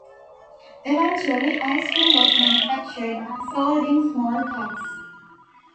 Eventually, ice cream was manufactured and sold in small cups.